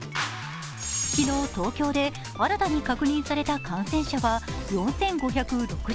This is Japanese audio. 昨日、東京で新たに確認された感染者は４５６２人。